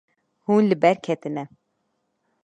Hûn li ber ketine.